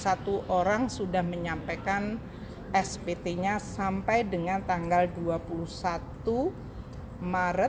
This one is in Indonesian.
dengan demikian sembilan enam ratus satu ratus empat puluh satu orang sudah menyampaikan spt nya sampai dengan tanggal dua puluh satu maret